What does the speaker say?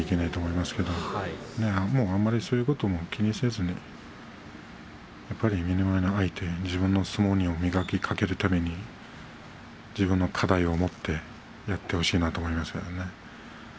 でもあんまりそういうことも気にせずに自分の相撲に磨きをかけるために自分の課題を持ってやってほしいなと思います。